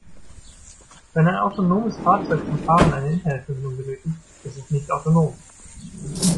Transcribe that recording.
Wenn ein autonomes Fahrzeug zum Fahren eine Internetverbindung benötigt, ist es nicht autonom.